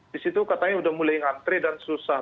di situ katanya udah mulai ngantri dan susah